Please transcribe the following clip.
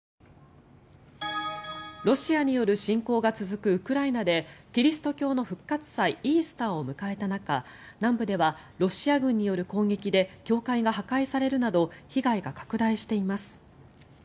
ロシアによる侵攻が続くウクライナでキリスト教の復活祭イースターを迎えた中南部ではロシア軍による攻撃で教会が破壊されるなど被害が拡大しています。